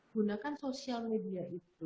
gunakan sosial media itu